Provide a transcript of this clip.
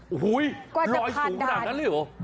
โอ้โหลอยสูงขนาดนั้นเลยเหรอ